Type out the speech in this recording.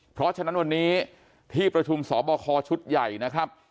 เพราะฉะนั้นวันนี้ที่ประชุมสอบคอชุดใหญ่นะครับ